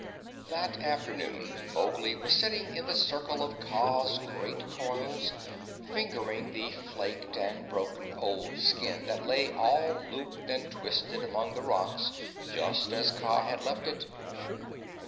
That afternoon Mowgli was sitting in the circle of Kaa's great coils, fingering the flaked and broken old skin that lay all looped and twisted among the rocks just as Kaa had left it.